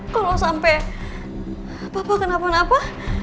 kalau sampai papa kenapa napa